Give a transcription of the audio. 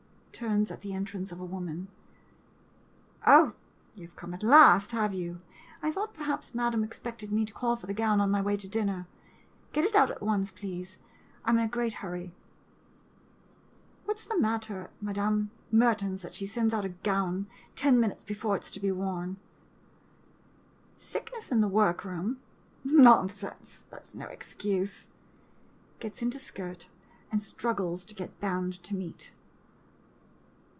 [Turns at entrance of woman.] Oh, you 've come at last, have you ? I thought, perhaps, Madam expected me to call for the gown on my way to dinner! Get it out at once, please — I 'm in a great hurry. What 's the matter at Mme. Mer *7 MODERN MONOLOGUES ton's that she sends out a gown ten minutes before it 's to be worn ? Sickness in the work room ? Nonsense — that 's no excuse ! [Gets into skirt, and struggles to get band to meet.